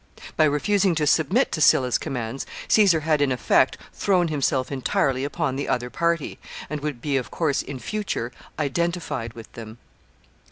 By refusing to submit to Sylla's commands, Caesar had, in effect, thrown himself entirely upon the other party, and would be, of course, in future identified with them.